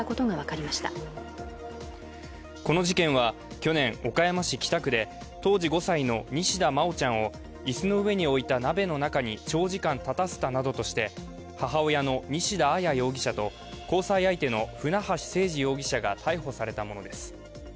にかこの事件は去年、岡山市北区で当時５歳の西田真愛ちゃんを椅子の上に置いた鍋の中に長時間立たせたなどとして母親の西田彩容疑者と交際相手の船橋誠二容疑者が逮捕されたものです。